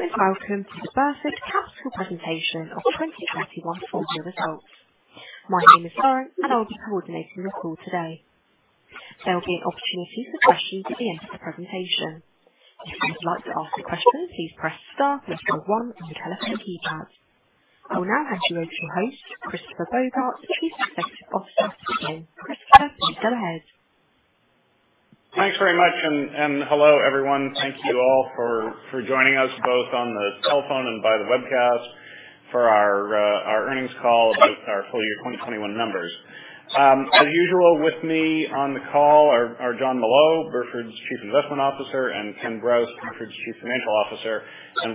Hello, and welcome to the Burford Capital presentation of 2021 full year results. My name is Lauren, and I'll be coordinating the call today. There'll be an opportunity for questions at the end of the presentation. If you would like to ask a question, please press star followed by one on your telephone keypad. I will now hand you over to your host, Christopher Bogart, Chief Executive Officer to begin. Christopher, please go ahead. Thanks very much and hello, everyone. Thank you all for joining us, both on the telephone and via the webcast for our earnings call about our full year 2021 numbers. As usual, with me on the call are Jon Molot, Burford's Chief Investment Officer, and Ken Brause, Burford's Chief Financial Officer.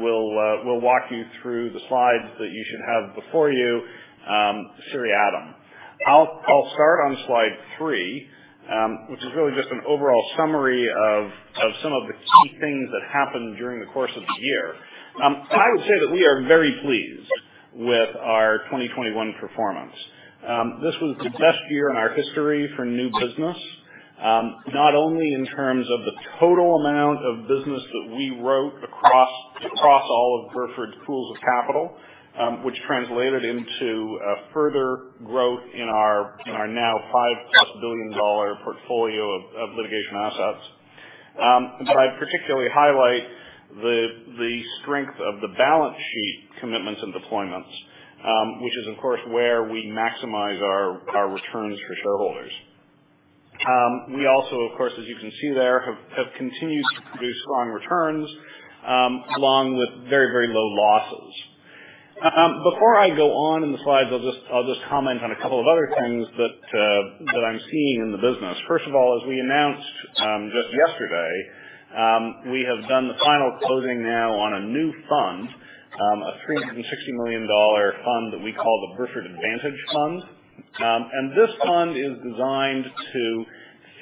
We'll walk you through the slides that you should have before you, seriatim. I'll start on slide three, which is really just an overall summary of some of the key things that happened during the course of the year. I would say that we are very pleased with our 2021 performance. This was the best year in our history for new business, not only in terms of the total amount of business that we wrote across all of Burford's pools of capital, which translated into further growth in our now $5+ billion portfolio of litigation assets. I'd particularly highlight the strength of the balance sheet commitments and deployments, which is, of course, where we maximize our returns for shareholders. We also, of course, as you can see there, have continued to produce strong returns, along with very low losses. Before I go on in the slides, I'll just comment on a couple of other things that I'm seeing in the business. First of all, as we announced just yesterday, we have done the final closing now on a new fund, a $360 million fund that we call the Burford Advantage Fund. This fund is designed to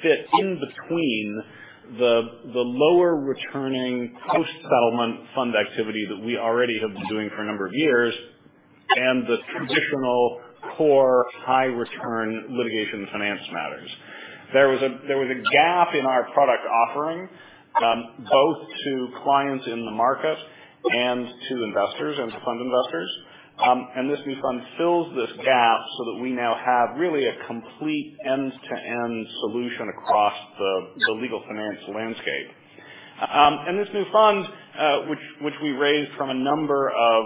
fit in between the lower returning post-settlement fund activity that we already have been doing for a number of years, and the traditional core high return litigation finance matters. There was a gap in our product offering, both to clients in the market and to investors and to fund investors. This new fund fills this gap so that we now have really a complete end-to-end solution across the legal finance landscape. This new fund, which we raised from a number of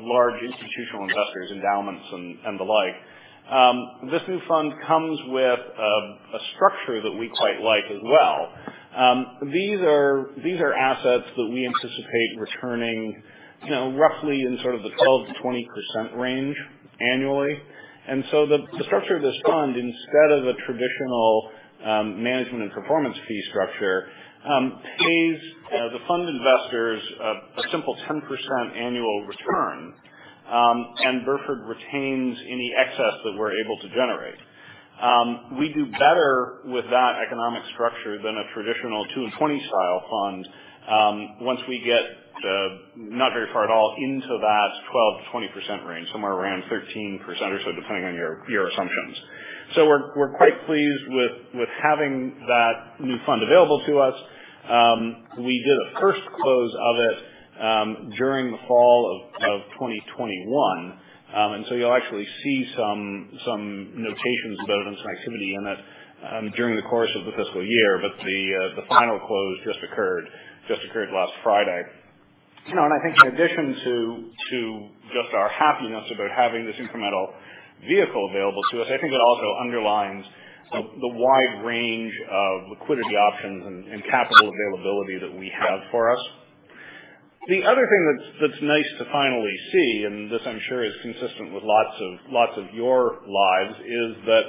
large institutional investors, endowments and the like. This new fund comes with a structure that we quite like as well. These are assets that we anticipate returning, you know, roughly in sort of the 12%-20% range annually. The structure of this fund, instead of a traditional management and performance fee structure, pays the fund investors a simple 10% annual return, and Burford retains any excess that we're able to generate. We do better with that economic structure than a traditional 2 and 20 style fund. Once we get not very far at all into that 12%-20% range, somewhere around 13% or so, depending on your assumptions. We're quite pleased with having that new fund available to us. We did a first close of it during the fall of 2021. You'll actually see some notations about it and some activity in it during the course of the fiscal year. The final close just occurred last Friday. You know, I think in addition to just our happiness about having this incremental vehicle available to us, I think it also underlines the wide range of liquidity options and capital availability that we have for us. The other thing that's nice to finally see, and this I'm sure is consistent with lots of your lives, is that,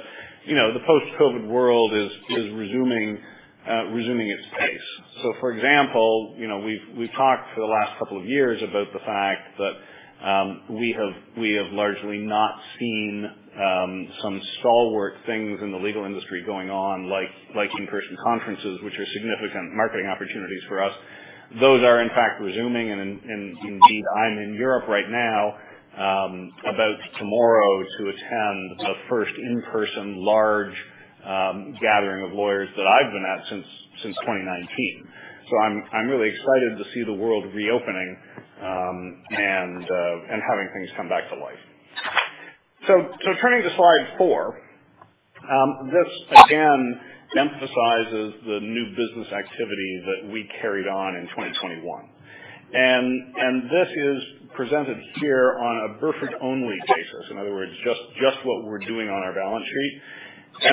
you know, the post-COVID world is resuming its pace. For example, you know, we've talked for the last couple of years about the fact that we have largely not seen some stalwart things in the legal industry going on, like in-person conferences, which are significant marketing opportunities for us. Those are in fact resuming. Indeed, I'm in Europe right now, about tomorrow to attend the first in-person large gathering of lawyers that I've been at since 2019. I'm really excited to see the world reopening and having things come back to life. Turning to slide four. This again emphasizes the new business activity that we carried on in 2021. This is presented here on a Burford-only basis. In other words, just what we're doing on our balance sheet.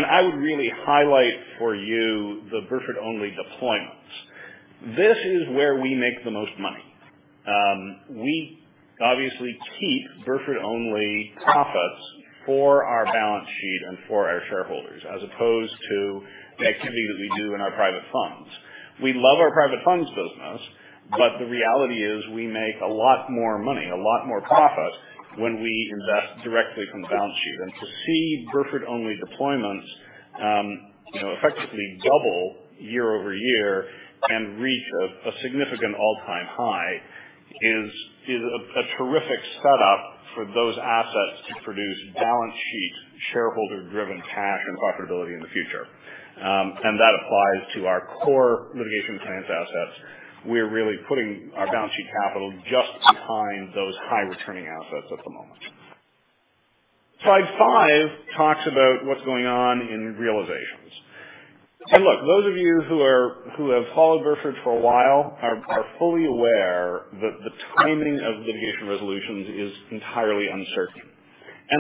I would really highlight for you the Burford-only deployments. This is where we make the most money. We obviously keep Burford-only profits for our balance sheet and for our shareholders, as opposed to the activity that we do in our private funds. We love our private funds business, but the reality is we make a lot more money, a lot more profit when we invest directly from balance sheet. To see Burford-only deployments, you know, effectively double year-over-year and reach a significant all-time high is a terrific setup for those assets to produce balance sheet, shareholder-driven cash and profitability in the future. That applies to our core litigation finance assets. We're really putting our balance sheet capital just behind those high returning assets at the moment. Slide five talks about what's going on in realizations. Look, those of you who have followed Burford for a while are fully aware that the timing of litigation resolutions is entirely uncertain.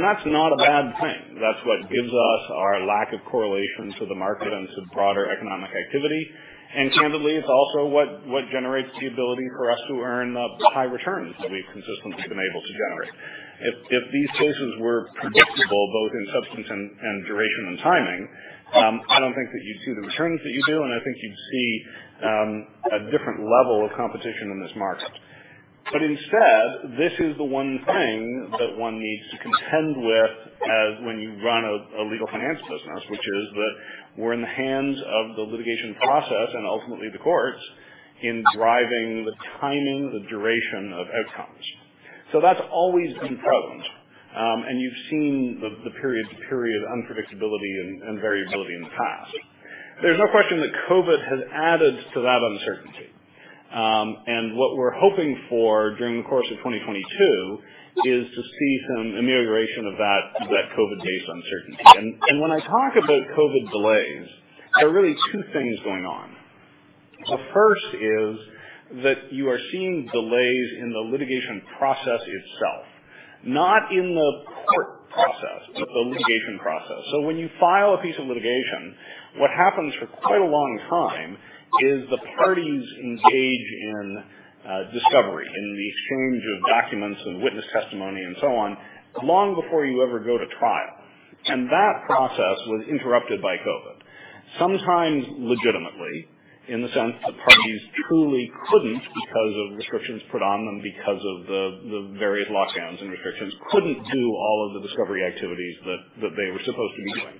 That's not a bad thing. That's what gives us our lack of correlation to the market and to broader economic activity. Candidly, it's also what generates the ability for us to earn the high returns that we've consistently been able to generate. If these cases were predictable, both in substance and duration and timing, I don't think that you'd see the returns that you do, and I think you'd see a different level of competition in this market. Instead, this is the one thing that one needs to contend with as when you run a legal finance business, which is that we're in the hands of the litigation process and ultimately the courts in driving the timing, the duration of outcomes. That's always been present. You've seen the period-to-period unpredictability and variability in the past. There's no question that COVID has added to that uncertainty. What we're hoping for during the course of 2022 is to see some amelioration of that COVID-based uncertainty. When I talk about COVID delays, there are really two things going on. The first is that you are seeing delays in the litigation process itself. Not in the court process, but the litigation process. When you file a piece of litigation, what happens for quite a long time is the parties engage in discovery, in the exchange of documents and witness testimony and so on, long before you ever go to trial. That process was interrupted by COVID. Sometimes legitimately, in the sense the parties truly couldn't because of restrictions put on them because of the various lockdowns and restrictions, couldn't do all of the discovery activities that they were supposed to be doing.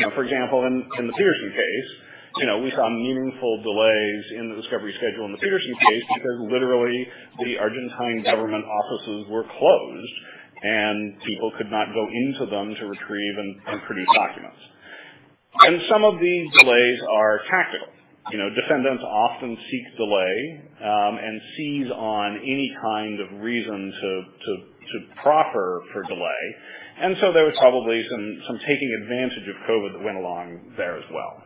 You know, for example, in the Petersen case, you know, we saw meaningful delays in the discovery schedule in the Petersen case because literally the Argentine government offices were closed and people could not go into them to retrieve and produce documents. Some of these delays are tactical. You know, defendants often seek delay and seize on any kind of reason to proffer for delay. There was probably some taking advantage of COVID that went along there as well.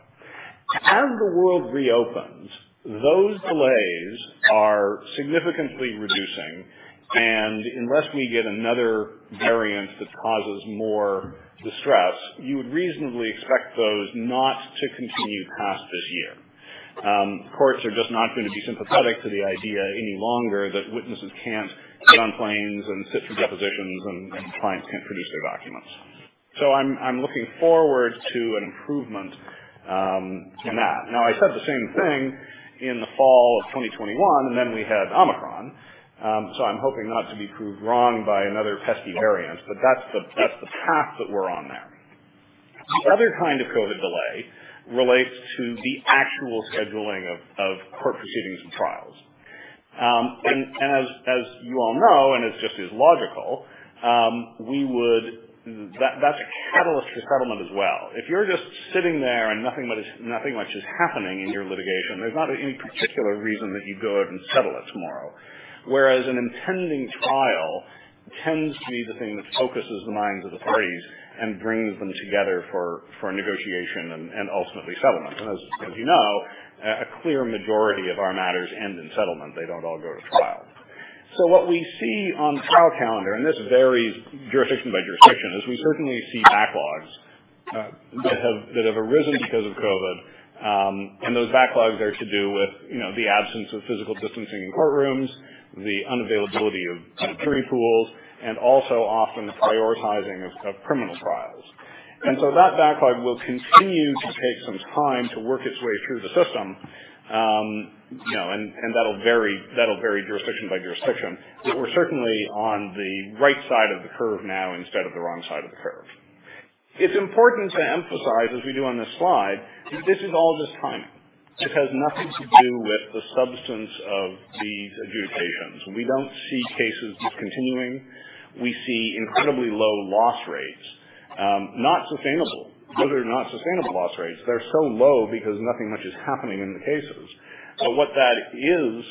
As the world reopens, those delays are significantly reducing, and unless we get another variant that causes more distress, you would reasonably expect those not to continue past this year. Courts are just not gonna be sympathetic to the idea any longer that witnesses can't get on planes and sit for depositions and clients can't produce their documents. I'm looking forward to an improvement in that. Now, I said the same thing in the fall of 2021, and then we had Omicron. I'm hoping not to be proved wrong by another pesky variant, but that's the path that we're on there. The other kind of COVID delay relates to the actual scheduling of court proceedings and trials. As you all know, is just logical, we would. That's a catalyst for settlement as well. If you're just sitting there and nothing much is happening in your litigation, there's not any particular reason that you'd go out and settle it tomorrow. Whereas an impending trial tends to be the thing that focuses the minds of the parties and brings them together for negotiation and ultimately settlement. As you know, a clear majority of our matters end in settlement. They don't all go to trial. What we see on the trial calendar, and this varies jurisdiction by jurisdiction, is we certainly see backlogs that have arisen because of COVID. Those backlogs are to do with, you know, the absence of physical distancing in courtrooms, the unavailability of jury pools, and also often the prioritizing of criminal trials. That backlog will continue to take some time to work its way through the system. You know, that'll vary jurisdiction by jurisdiction. We're certainly on the right side of the curve now instead of the wrong side of the curve. It's important to emphasize, as we do on this slide, that this is all just timing. This has nothing to do with the substance of these adjudications. We don't see cases discontinuing. We see incredibly low loss rates, not sustainable. Those are not sustainable loss rates. They're so low because nothing much is happening in the cases. What that is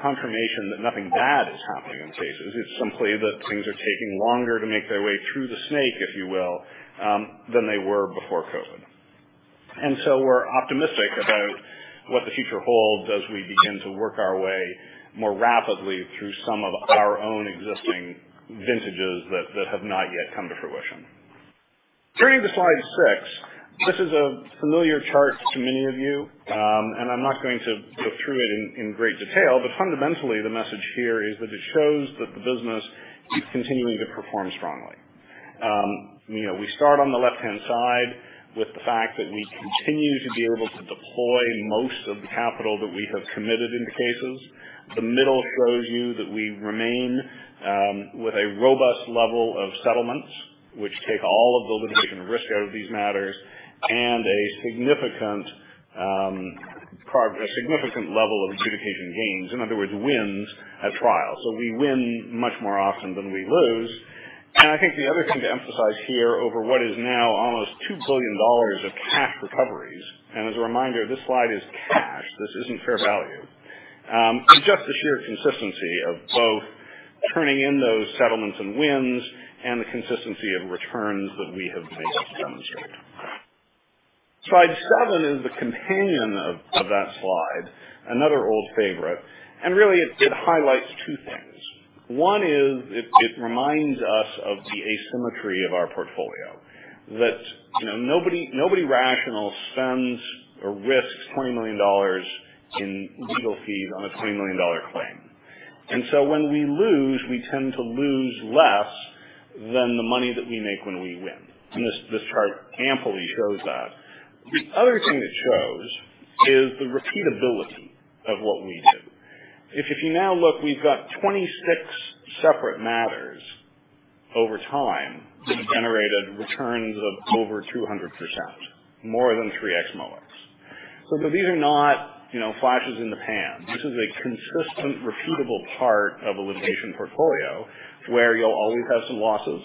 confirmation that nothing bad is happening in cases. It's simply that things are taking longer to make their way through the snake, if you will, than they were before COVID. We're optimistic about what the future holds as we begin to work our way more rapidly through some of our own existing vintages that have not yet come to fruition. Turning to slide six, this is a familiar chart to many of you. I'm not going to go through it in great detail, but fundamentally the message here is that it shows that the business is continuing to perform strongly. You know, we start on the left-hand side with the fact that we continue to be able to deploy most of the capital that we have committed into cases. The middle shows you that we remain with a robust level of settlements, which take all of the litigation risk out of these matters. A significant level of adjudication gains, in other words, wins at trial. We win much more often than we lose. I think the other thing to emphasize here over what is now almost $2 billion of cash recoveries, and as a reminder, this slide is cash. This isn't fair value. Just the sheer consistency of both turning in those settlements and wins and the consistency of returns that we have made demonstrated. Slide seven is the companion of that slide, another old favorite. Really, it highlights two things. One is, it reminds us of the asymmetry of our portfolio that, you know, nobody rational spends or risks $20 million in legal fees on a $20 million claim. When we lose, we tend to lose less than the money that we make when we win. This chart amply shows that. The other thing it shows is the repeatability of what we do. If you now look, we've got 26 separate matters over time that generated returns of over 200%, more than 3x MOICs. These are not, you know, flashes in the pan. This is a consistent, repeatable part of a litigation portfolio where you'll always have some losses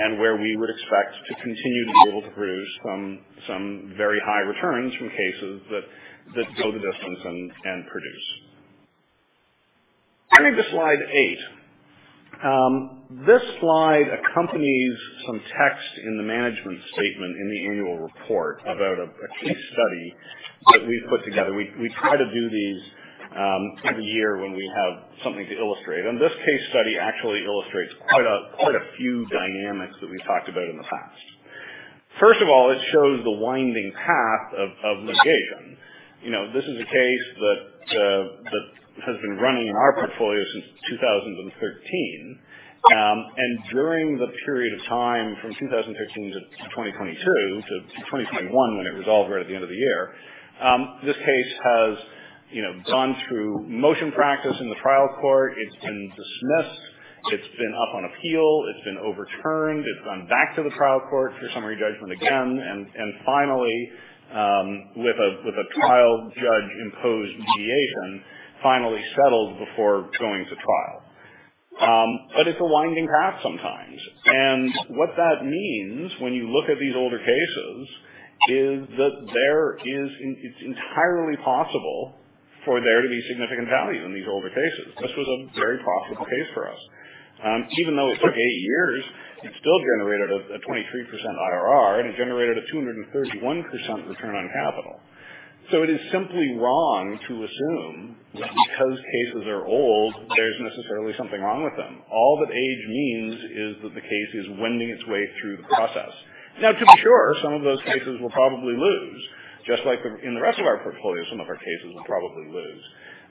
and where we would expect to continue to be able to produce some very high returns from cases that go the distance and produce. Turning to slide eight. This slide accompanies some text in the management statement in the annual report about a case study that we've put together. We try to do these every year when we have something to illustrate. This case study actually illustrates quite a few dynamics that we've talked about in the past. First of all, it shows the winding path of litigation. You know, this is a case that has been running in our portfolio since 2013. During the period of time from 2013-2022-2021, when it resolved right at the end of the year, this case has, you know, gone through motion practice in the trial court. It's been dismissed. It's been up on appeal. It's been overturned. It's gone back to the trial court for summary judgment again. Finally, with a trial judge-imposed mediation, finally settled before going to trial. It's a winding path sometimes. What that means when you look at these older cases is that it's entirely possible for there to be significant value in these older cases. This was a very profitable case for us. Even though it took eight years, it still generated a 23% IRR, and it generated a 231% return on capital. It is simply wrong to assume that because cases are old, there's necessarily something wrong with them. All that age means is that the case is wending its way through the process. Now, to be sure, some of those cases will probably lose, just like in the rest of our portfolio, some of our cases will probably lose.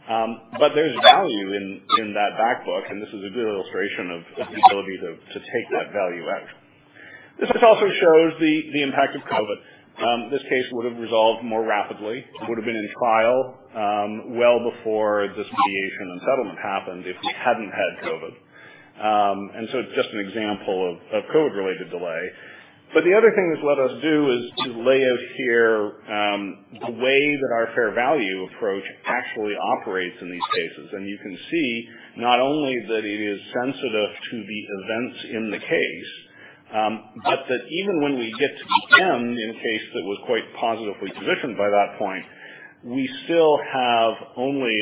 There's value in that back book, and this is a good illustration of the ability to take that value out. This also shows the impact of COVID. This case would have resolved more rapidly. It would have been in trial, well before this mediation and settlement happened if we hadn't had COVID. It's just an example of COVID-related delay. The other thing this let us do is to lay out here the way that our fair value approach actually operates in these cases. You can see not only that it is sensitive to the events in the case, but that even when we get to the end in a case that was quite positively positioned by that point, we still have only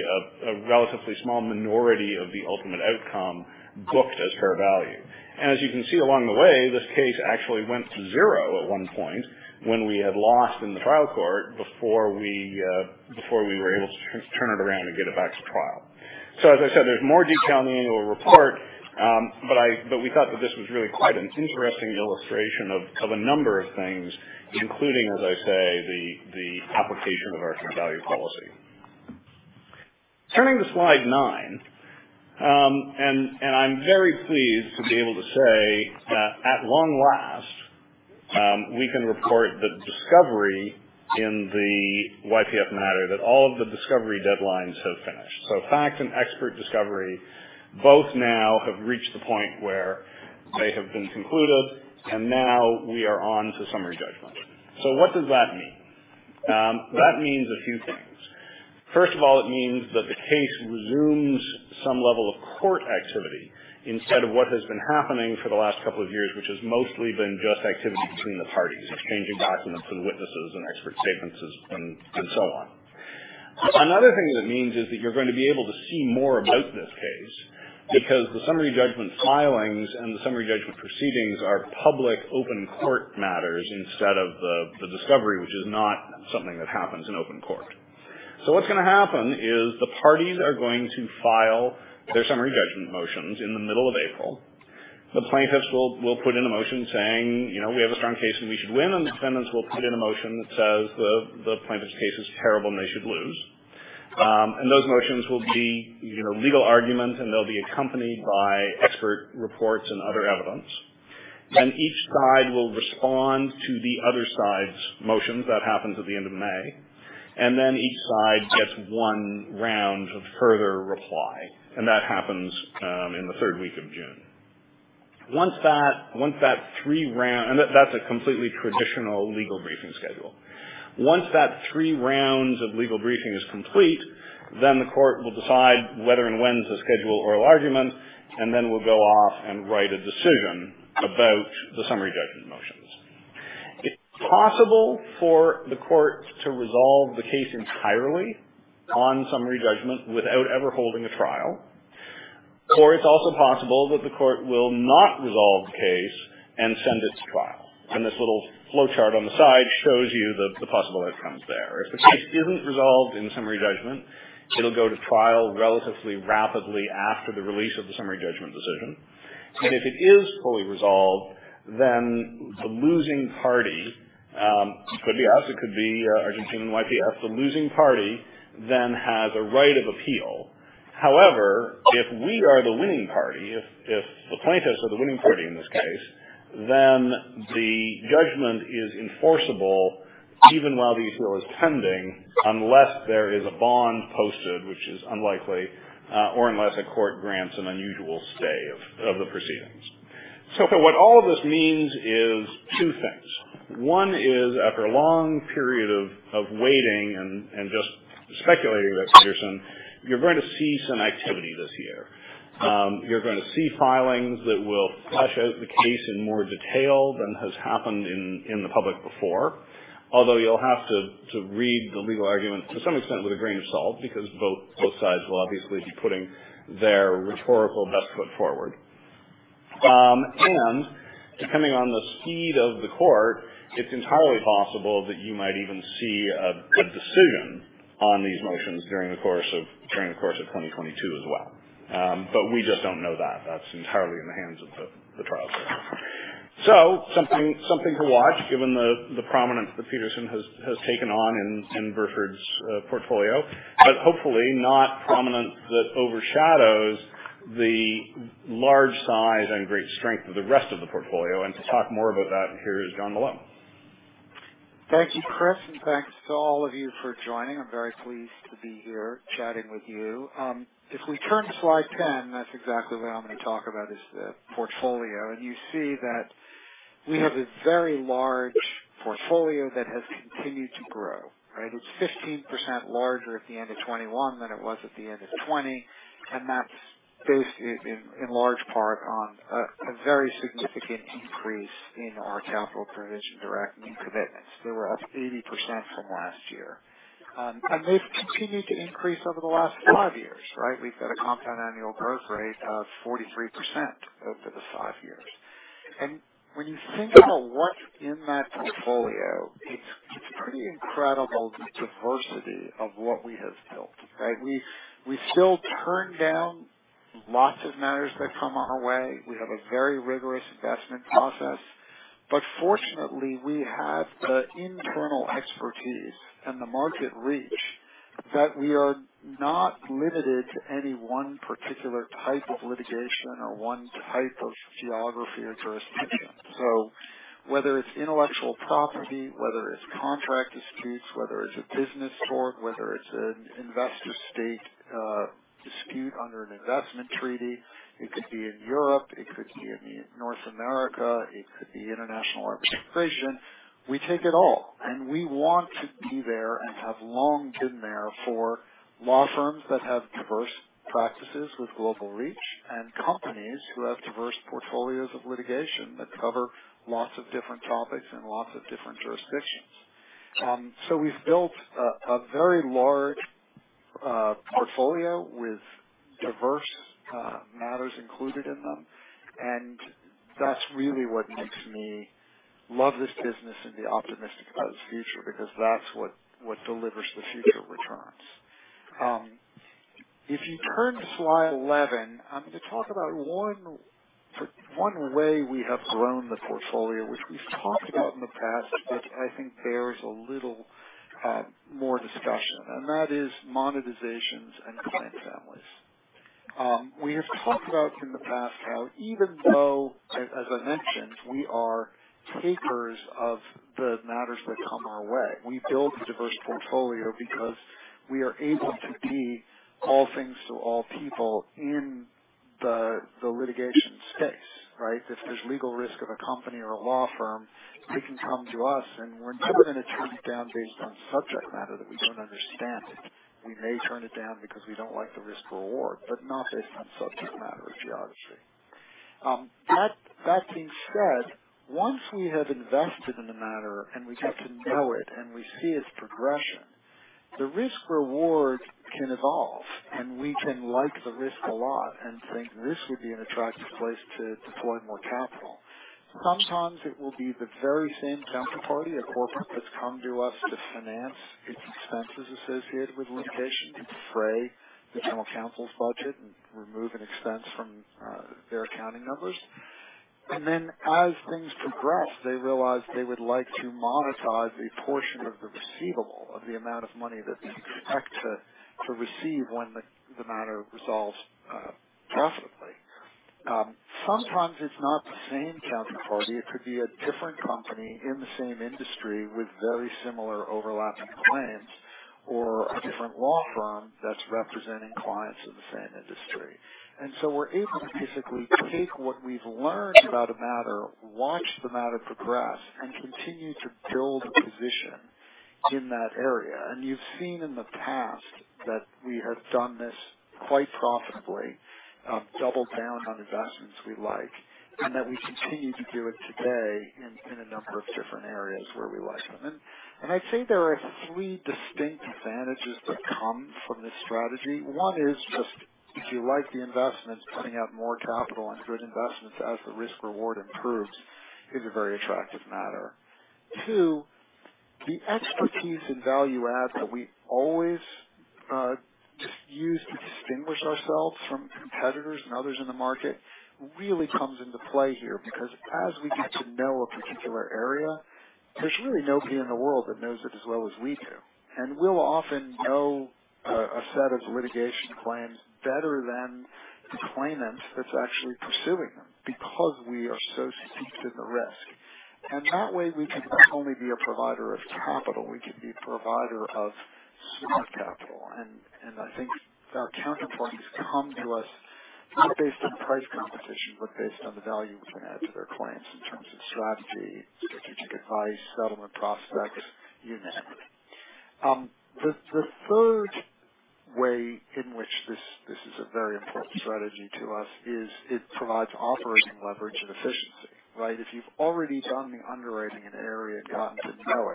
a relatively small minority of the ultimate outcome booked as fair value. As you can see along the way, this case actually went to zero at one point when we had lost in the trial court before we were able to turn it around and get it back to trial. As I said, there's more detail in the annual report, but we thought that this was really quite an interesting illustration of a number of things, including, as I say, the application of our fair value policy. Turning to slide nine, I'm very pleased to be able to say that at long last, we can report that discovery in the YPF matter, that all of the discovery deadlines have finished. Facts and expert discovery both now have reached the point where they have been concluded, and now we are on to summary judgment. What does that mean? That means a few things. First of all, it means that the case resumes some level of court activity instead of what has been happening for the last couple of years, which has mostly been just activity between the parties, exchanging documents and witnesses and expert statements and so on. Another thing that means is that you're going to be able to see more about this case because the summary judgment filings and the summary judgment proceedings are public open court matters instead of the discovery, which is not something that happens in open court. What's gonna happen is the parties are going to file their summary judgment motions in the middle of April. The plaintiffs will put in a motion saying, you know, "We have a strong case and we should win," and the defendants will put in a motion that says the plaintiff's case is terrible and they should lose. And those motions will be, you know, legal argument, and they'll be accompanied by expert reports and other evidence. Each side will respond to the other side's motions. That happens at the end of May. Each side gets one round of further reply, and that happens in the third week of June. That's a completely traditional legal briefing schedule. Once that three rounds of legal briefing is complete, the court will decide whether and when to schedule oral argument, and then will go off and write a decision about the summary judgment motions. It's possible for the court to resolve the case entirely on summary judgment without ever holding a trial. It's also possible that the court will not resolve the case and send it to trial. This little flowchart on the side shows you the possible outcomes there. If the case isn't resolved in summary judgment, it'll go to trial relatively rapidly after the release of the summary judgment decision. If it is fully resolved, then the losing party could be us, it could be Argentina and YPF. The losing party then has a right of appeal. However, if we are the winning party, if the plaintiffs are the winning party in this case, then the judgment is enforceable even while the appeal is pending, unless there is a bond posted, which is unlikely, or unless a court grants an unusual stay of the proceedings. What all this means is two things. One is, after a long period of waiting and just speculating about Petersen, you're going to see some activity this year. You're going to see filings that will flesh out the case in more detail than has happened in the public before. Although you'll have to read the legal argument to some extent with a grain of salt, because both sides will obviously be putting their rhetorical best foot forward. Depending on the speed of the court, it's entirely possible that you might even see a decision on these motions during the course of 2022 as well. We just don't know that. That's entirely in the hands of the trial court. Something to watch given the prominence that Petersen has taken on in Burford's portfolio, but hopefully not prominence that overshadows the large size and great strength of the rest of the portfolio. To talk more about that, here is Jon Molot. Thank you, Chris, and thanks to all of you for joining. I'm very pleased to be here chatting with you. If we turn to slide 10, that's exactly what I'm gonna talk about is the portfolio. You see that we have a very large portfolio that has continued to grow, right? It's 15% larger at the end of 2021 than it was at the end of 2020, and that's based in large part on a very significant increase in our capital provision direct new commitments. They were up 80% from last year. They've continued to increase over the last five years, right? We've got a compound annual growth rate of 43% over the five years. When you think about what's in that portfolio, it's pretty incredible the diversity of what we have built, right? We still turn down lots of matters that come our way. We have a very rigorous investment process, but fortunately, we have the internal expertise and the market reach that we are not limited to any one particular type of litigation or one type of geography or jurisdiction. Whether it's intellectual property, whether it's contract disputes, whether it's a business tort, whether it's an investor state dispute under an investment treaty, it could be in Europe, it could be in North America, it could be international arbitration. We take it all, and we want to be there, and have long been there for law firms that have diverse practices with global reach, and companies who have diverse portfolios of litigation that cover lots of different topics and lots of different jurisdictions. We've built a very large portfolio with diverse matters included in them, and that's really what makes me love this business and be optimistic about its future, because that's what delivers the future returns. If you turn to slide 11, I'm gonna talk about one way we have grown the portfolio, which we've talked about in the past, but I think bears a little more discussion, and that is monetizations and client families. We have talked about in the past how even though, as I mentioned, we are takers of the matters that come our way we build a diverse portfolio because we are able to be all things to all people in the litigation space, right? If there's legal risk of a company or a law firm, they can come to us, and we're never gonna turn it down based on subject matter that we don't understand. We may turn it down because we don't like the risk reward, but not based on subject matter or geography. That being said, once we have invested in the matter and we get to know it and we see its progression, the risk reward can evolve, and we can like the risk a lot and think this would be an attractive place to deploy more capital. Sometimes it will be the very same counterparty or corporate that's come to us to finance its expenses associated with litigation, to defray the General Counsel's budget and remove an expense from their accounting numbers. As things progress, they realize they would like to monetize a portion of the receivable of the amount of money that they expect to receive when the matter resolves profitably. Sometimes it's not the same counterparty. It could be a different company in the same industry with very similar overlapping claims. Or a different law firm that's representing clients in the same industry. We're able to basically take what we've learned about a matter, watch the matter progress, and continue to build a position in that area. You've seen in the past that we have done this quite profitably, doubled down on investments we like, and that we continue to do it today in a number of different areas where we like them. I'd say there are three distinct advantages that come from this strategy. One is just if you like the investment, putting out more capital in good investments as the risk/reward improves is a very attractive matter. Two, the expertise and value add that we always just use to distinguish ourselves from competitors and others in the market really comes into play here. Because as we get to know a particular area, there's really nobody in the world that knows it as well as we do. We'll often know a set of litigation claims better than the claimant that's actually pursuing them because we are so steeped in the risk. That way we can not only be a provider of capital, we can be a provider of smart capital. I think our counterparties come to us not based on price competition, but based on the value we can add to their clients in terms of strategy, strategic advice, settlement prospects, you name it. The third way in which this is a very important strategy to us is it provides operating leverage and efficiency, right? If you've already done the underwriting in an area and gotten to know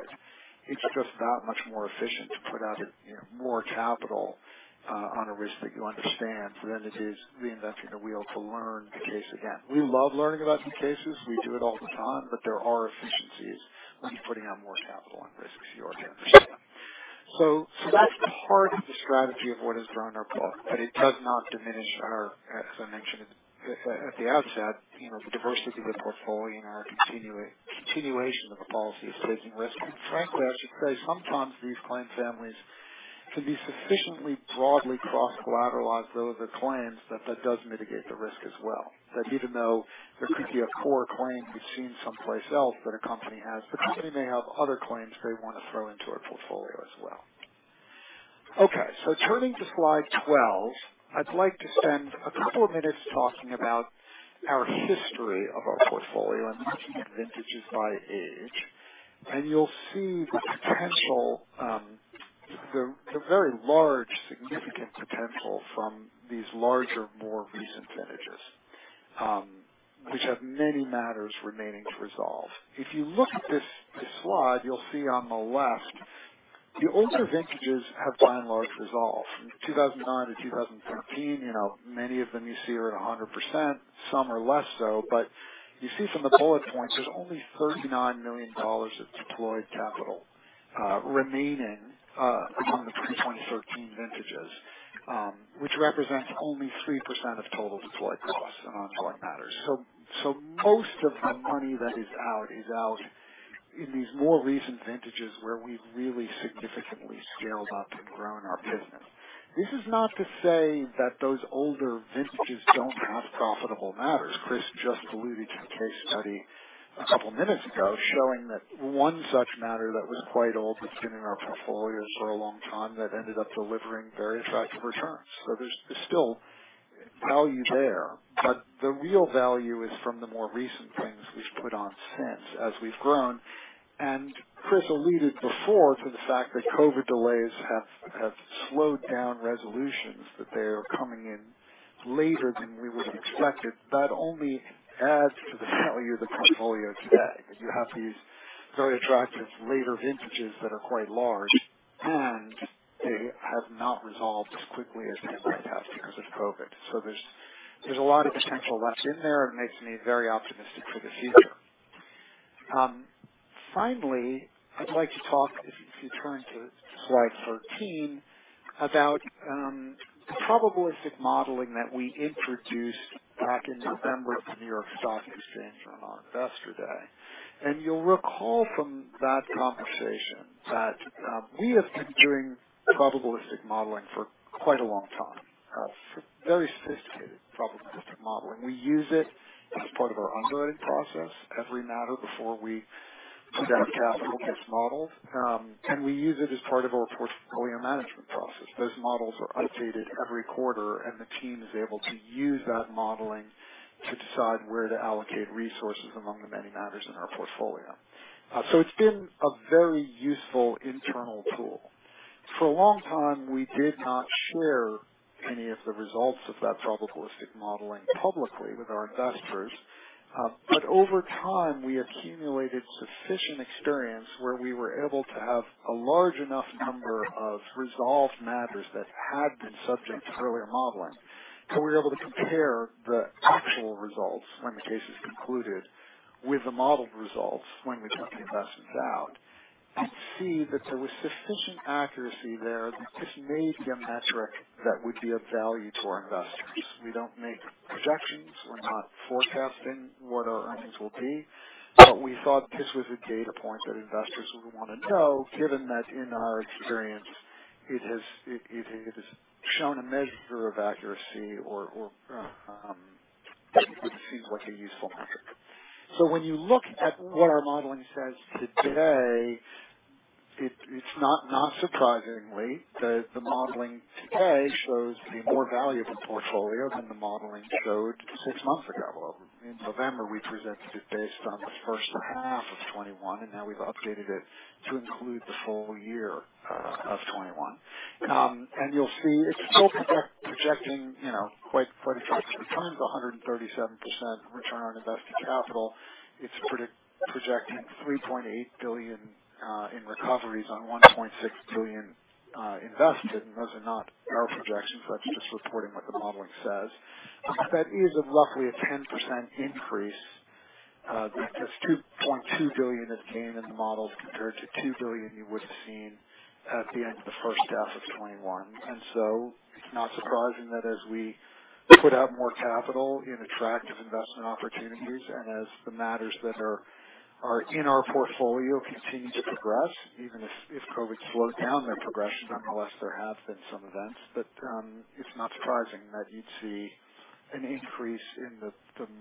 it's just that much more efficient to put out, you know, more capital on a risk that you understand than it is reinventing the wheel to learn the case again. We love learning about new cases. We do it all the time, but there are efficiencies when you're putting out more capital on risks you already understand. That's part of the strategy of what has grown our portfolio, but it does not diminish our, as I mentioned at the outset, you know, the diversity of the portfolio and our continuation of a policy of taking risk. Frankly, I should say sometimes these client families can be sufficiently broadly cross-collateralized relevant claims that that does mitigate the risk as well. That even though there could be a core claim we've seen someplace else that a company has, the company may have other claims they wanna throw into our portfolio as well. Okay. Turning to slide 12, I'd like to spend a couple of minutes talking about our history of our portfolio and looking at vintages by age. You'll see the potential, the very large significant potential from these larger, more recent vintages, which have many matters remaining to resolve. If you look at this slide, you'll see on the left the older vintages have by and large resolved. From 2009-2013, you know, many of them you see are at 100%. Some are less so. You see from the bullet points, there's only $39 million of deployed capital remaining among the pre-2013 vintages, which represents only 3% of total deployed costs among select matters. Most of the money that is out is out in these more recent vintages where we've really significantly scaled up and grown our business. This is not to say that those older vintages don't have profitable matters. Chris just alluded to a case study a couple minutes ago showing that one such matter that was quite old that's been in our portfolio for a long time that ended up delivering very attractive returns. There's still value there, but the real value is from the more recent claims we've put on since as we've grown. Chris alluded before to the fact that COVID delays have slowed down resolutions, that they are coming in later than we would have expected. That only adds to the value of the portfolio today, because you have these very attractive later vintages that are quite large, and they have not resolved as quickly as they might have because of COVID. There's a lot of potential that's in there. It makes me very optimistic for the future. Finally, I'd like to talk, if you turn to slide 13, about the probabilistic modeling that we introduced back in November at the New York Stock Exchange on our Investor Day. You'll recall from that conversation that we have been doing probabilistic modeling for quite a long time, for very sophisticated probabilistic modeling. We use it as part of our underwriting process. Every matter before we put out capital gets modeled, and we use it as part of our portfolio management process. Those models are updated every quarter, and the team is able to use that modeling to decide where to allocate resources among the many matters in our portfolio. So it's been a very useful internal tool. For a long time, we did not share any of the results of that probabilistic modeling publicly with our investors. Over time, we accumulated sufficient experience where we were able to have a large enough number of resolved matters that had been subject to earlier modeling, so we were able to compare the actual results when the case is concluded with the modeled results when we took the investments out and see that there was sufficient accuracy there that this may be a metric that would be of value to our investors. We don't make projections. We're not forecasting what our earnings will be. We thought this was a data point that investors would wanna know, given that in our experience it has shown a measure of accuracy or what seems like a useful metric. When you look at what our modeling says today, it's not surprisingly, the modeling today shows a more valuable portfolio than the modeling showed six months ago. In November, we presented it based on the first half of 2021, and now we've updated it to include the full year of 2021. You'll see it's still projecting, you know, quite a few times 137% return on invested capital. It's projecting $3.8 billion in recoveries on $1.6 billion invested. Those are not our projections. That's just reporting what the modeling says. That is roughly a 10% increase that there's $2.2 billion in gain in the models compared to $2 billion you would've seen at the end of the first half of 2021. It's not surprising that as we put out more capital in attractive investment opportunities and as the matters that are in our portfolio continue to progress, even if COVID slowed down their progression, nonetheless, there have been some events. It's not surprising that you'd see an increase in the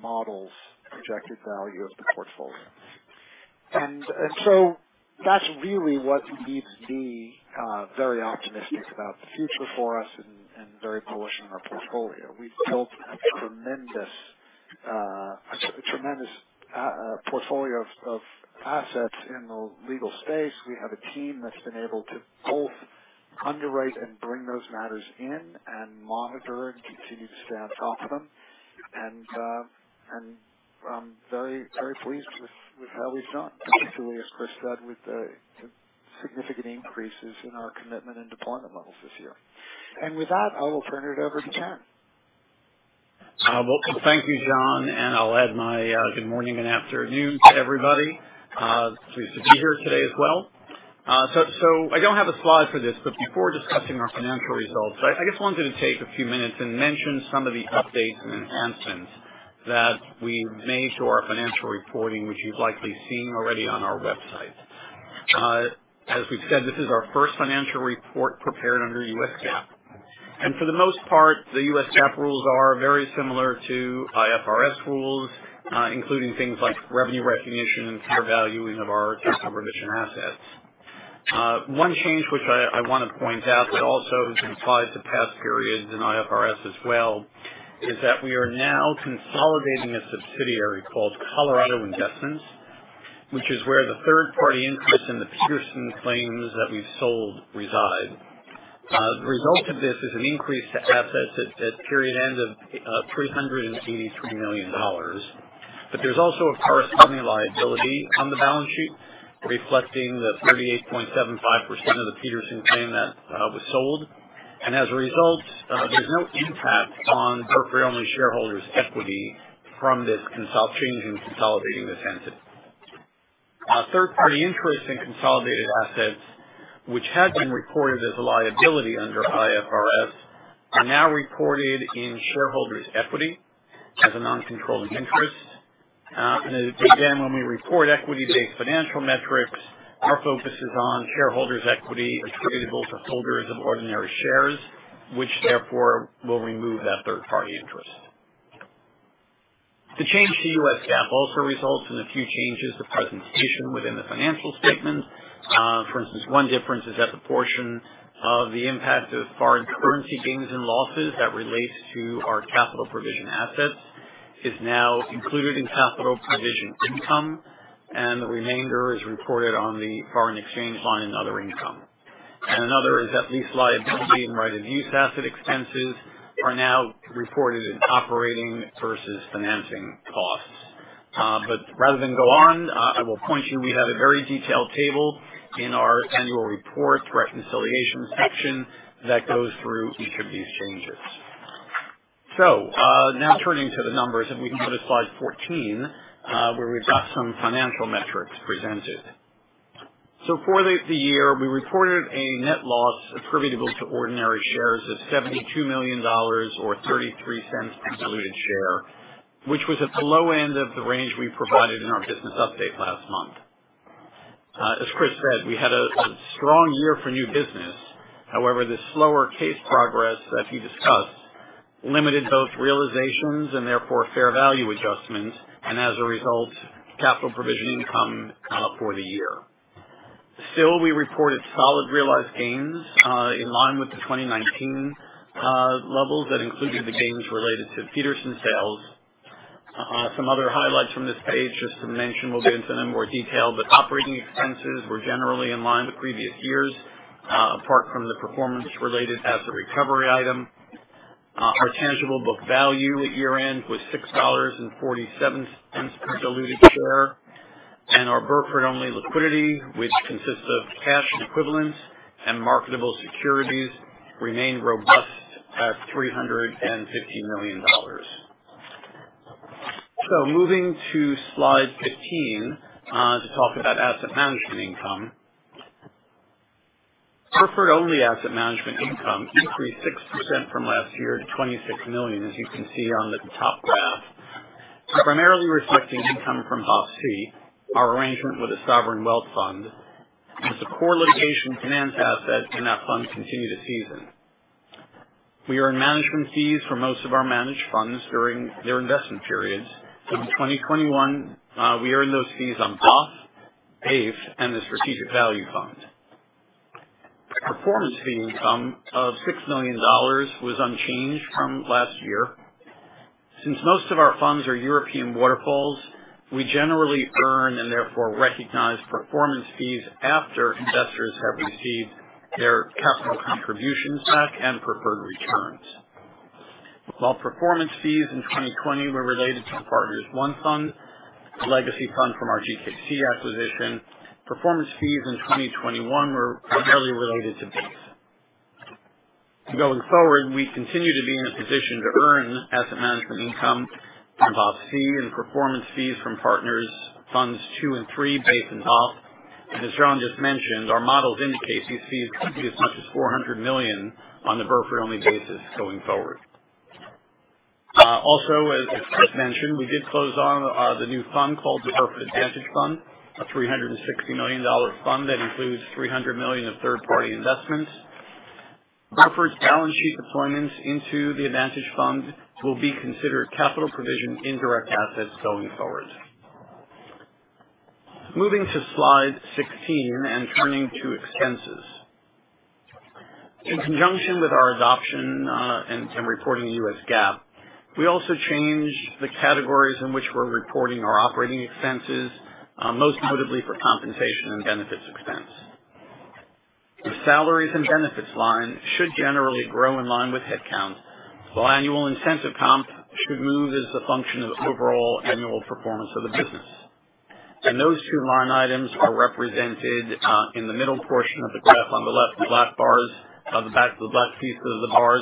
model's projected value of the portfolio. That's really what leaves me very optimistic about the future for us and very bullish in our portfolio. We've built a tremendous portfolio of assets in the legal space. We have a team that's been able to both underwrite and bring those matters in and monitor and continue to stay on top of them. I'm very, very pleased with how we've done, particularly as Chris said, with the significant increases in our commitment and deployment levels this year. With that, I will turn it over to Ken. Well, thank you, Jon, and I'll add my good morning and afternoon to everybody. Pleased to be here today as well. So I don't have a slide for this, but before discussing our financial results, I just wanted to take a few minutes and mention some of the updates and enhancements that we've made to our financial reporting, which you've likely seen already on our website. As we've said, this is our first financial report prepared under U.S. GAAP. For the most part, the U.S. GAAP rules are very similar to IFRS rules, including things like revenue recognition and fair valuing of our capital provision assets. One change which I wanna point out, but also applies to past periods in IFRS as well, is that we are now consolidating a subsidiary called Colorado Investments, which is where the third-party interest in the Petersen claims that we've sold reside. The result of this is an increase to assets at period end of $383 million. There's also a corresponding liability on the balance sheet reflecting the 38.75% of the Petersen claim that was sold. As a result, there's no impact on Burford-only shareholders' equity from this change in consolidating this entity. Third party interest in consolidated assets, which had been reported as a liability under IFRS, are now reported in shareholders' equity as a non-controlling interest. Again, when we report equity-based financial metrics, our focus is on shareholders' equity attributable to holders of ordinary shares, which therefore will remove that third-party interest. The change to U.S. GAAP also results in a few changes to presentation within the financial statements. For instance, one difference is that the portion of the impact of foreign currency gains and losses that relates to our capital provision assets is now included in capital provision income, and the remainder is reported on the foreign exchange line in other income. Another is that lease liability and right-of-use asset expenses are now reported in operating versus financing costs. But rather than go on, I will point you, we have a very detailed table in our annual report reconciliation section that goes through each of these changes. Now turning to the numbers, if we can go to slide 14, where we've got some financial metrics presented. For the year, we reported a net loss attributable to ordinary shares of $72 million or $0.33 per diluted share, which was at the low end of the range we provided in our business update last month. As Chris said, we had a strong year for new business. However, the slower case progress that he discussed limited both realizations and therefore fair value adjustments and as a result, capital provision income for the year. Still, we reported solid realized gains in line with the 2019 levels that included the gains related to Petersen sales. Some other highlights from this page, just to mention, we'll get into them in more detail, but operating expenses were generally in line with previous years, apart from the performance-related asset recovery item. Our tangible book value at year-end was $6.47 per diluted share. Our Burford-only liquidity, which consists of cash equivalents and marketable securities, remained robust at $350 million. Moving to slide 15 to talk about asset management income. Burford-only asset management income increased 6% from last year to $26 million, as you can see on the top graph, primarily reflecting income from BOF-C, our arrangement with a sovereign wealth fund, as the core litigation finance assets in that fund continue to season. We earn management fees for most of our managed funds during their investment periods. In 2021, we earned those fees on BOF, AIF, and the Strategic Value Fund. The performance fee income of $6 million was unchanged from last year. Since most of our funds are European waterfalls, we generally earn, and therefore recognize performance fees after investors have received their capital contributions back and preferred returns. While performance fees in 2020 were related to Partners I Fund, a legacy fund from our GKC acquisition, performance fees in 2021 were primarily related to BAIF. Going forward, we continue to be in a position to earn asset management income from BOF-C, and performance fees from Partners Funds II and III, BAIF and BOF. As Jon just mentioned, our models indicate these fees could be as much as $400 million on the Burford-only basis going forward. Also, as Chris mentioned, we did close on the new fund called the Burford Advantage Fund, a $360 million fund that includes $300 million of third-party investments. Burford's balance sheet deployments into the Advantage Fund will be considered capital provision indirect assets going forward. Moving to slide 16 and turning to expenses. In conjunction with our adoption and reporting U.S. GAAP, we also changed the categories in which we're reporting our operating expenses, most notably for compensation and benefits expense. The salaries and benefits line should generally grow in line with headcount, while annual incentive comp should move as a function of overall annual performance of the business. Those two line items are represented in the middle portion of the graph on the left, the black bars on the back, the black pieces of the bars,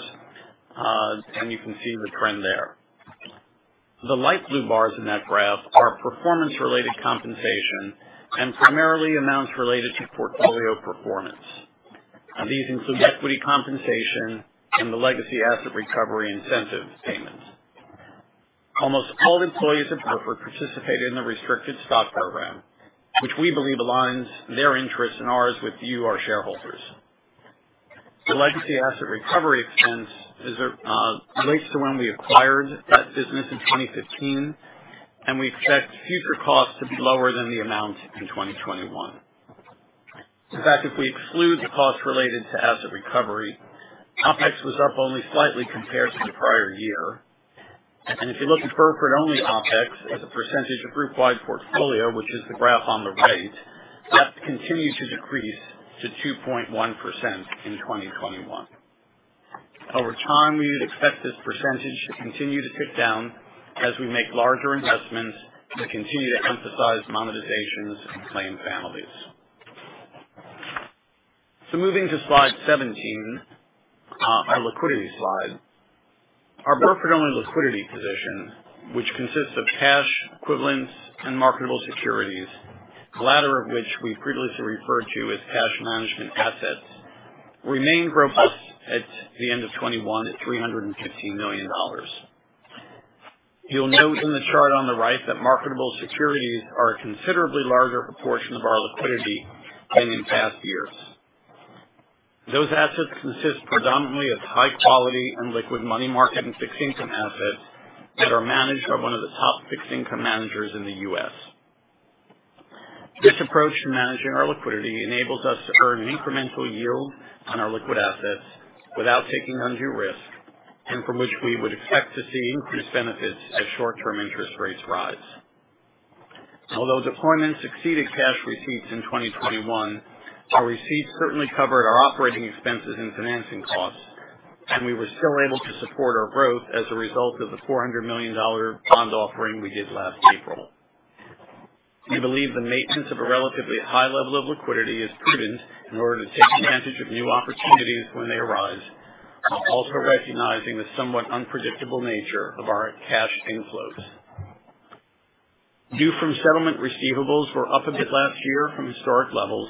and you can see the trend there. The light blue bars in that graph are performance-related compensation and primarily amounts related to portfolio performance. These include equity compensation and the legacy asset recovery incentive payments. Almost all employees at Burford participate in the restricted stock program, which we believe aligns their interests and ours with you, our shareholders. The legacy asset recovery expense is relates to when we acquired that business in 2015, and we expect future costs to be lower than the amount in 2021. In fact, if we exclude the costs related to asset recovery, OpEx was up only slightly compared to the prior year. If you look at Burford-only OpEx as a percentage of group-wide portfolio, which is the graph on the right, that continued to decrease to 2.1% in 2021. Over time, we would expect this percentage to continue to tick down as we make larger investments and continue to emphasize monetizations and claim families. Moving to slide 17, our liquidity slide. Our Burford-only liquidity position, which consists of cash equivalents and marketable securities, the latter of which we've previously referred to as cash management assets, remained robust at the end of 2021 at $315 million. You'll note in the chart on the right that marketable securities are a considerably larger proportion of our liquidity than in past years. Those assets consist predominantly of high quality and liquid money market and fixed income assets that are managed by one of the top fixed income managers in the U.S. This approach to managing our liquidity enables us to earn an incremental yield on our liquid assets without taking undue risk, and from which we would expect to see increased benefits as short-term interest rates rise. Although deployments exceeded cash receipts in 2021, our receipts certainly covered our operating expenses and financing costs, and we were still able to support our growth as a result of the $400 million bond offering we did last April. We believe the maintenance of a relatively high level of liquidity is prudent in order to take advantage of new opportunities when they arise, while also recognizing the somewhat unpredictable nature of our cash inflows. Due from settlement receivables were up a bit last year from historic levels.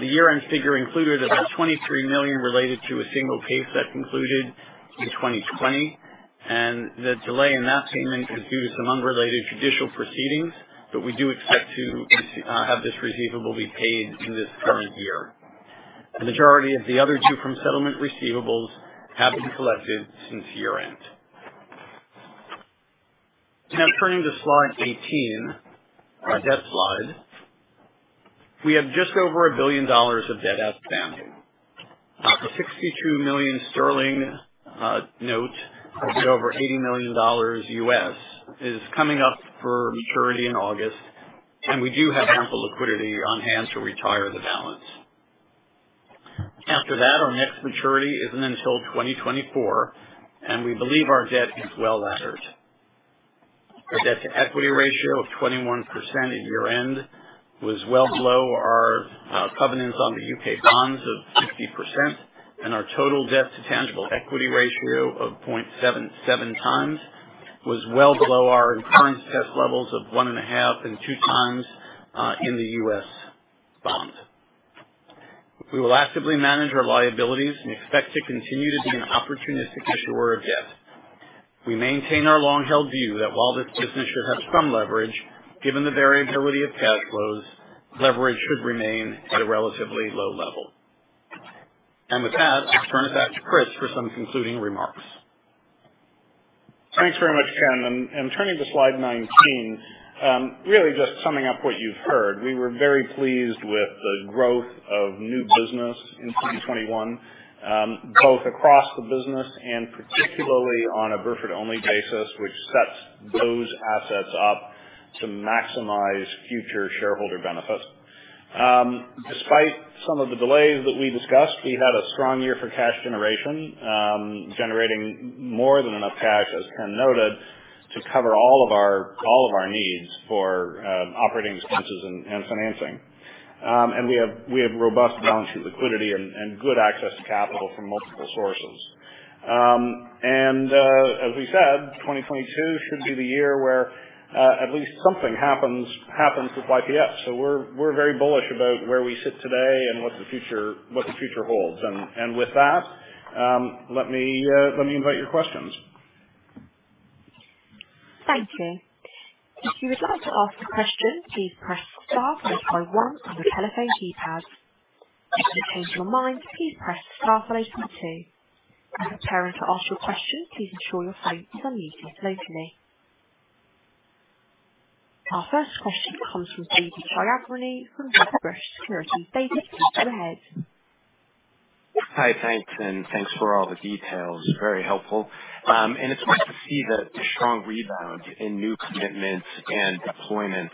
The year-end figure included about $23 million related to a single case that concluded in 2020, and the delay in that payment is due to some unrelated judicial proceedings, but we do expect to have this receivable be paid in this current year. The majority of the other due from settlement receivables have been collected since year-end. Now turning to slide 18, our debt slide. We have just over $1 billion of debt outstanding. Our 62 million sterling note of over $80 million U.S. is coming up for maturity in August, and we do have ample liquidity on-hand to retire the balance. After that, our next maturity isn't until 2024, and we believe our debt is well laddered. Our debt-to-equity ratio of 21% at year-end was well below our covenants on the U.K. bonds of 60%, and our total debt to tangible equity ratio of 0.77x was well below our current test levels of 1.5x and 2x in the U.S. bond. We will actively manage our liabilities and expect to continue to be an opportunistic issuer of debt. We maintain our long-held view that while this business should have some leverage, given the variability of cash flows, leverage should remain at a relatively low level. With that, I'll turn it back to Chris for some concluding remarks. Thanks very much, Ken. Turning to slide 19, really just summing up what you've heard, we were very pleased with the growth of new business in 2021, both across the business and particularly on a Burford-only basis, which sets those assets up to maximize future shareholder benefits. Despite some of the delays that we discussed, we had a strong year for cash generation, generating more than enough cash, as Ken noted, to cover all of our needs for operating expenses and financing. We have robust balance sheet liquidity and good access to capital from multiple sources. As we said, 2022 should be the year where at least something happens with YPF. We're very bullish about where we sit today and what the future holds. With that, let me invite your questions. Thank you. If you would like to ask a question, please press star followed by one on your telephone keypad. If you change your mind, please press star followed by two. When preparing to ask your question, please ensure your phones are muted locally. Our first question comes from David Chiaverini from Wedbush Securities. David, please go ahead. Hi. Thanks, and thanks for all the details. Very helpful. It's great to see the strong rebound in new commitments and deployments.